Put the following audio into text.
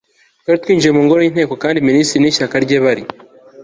twari twinjiye mu ngoro y'inteko kandi minisitiri n'ishyaka rye bari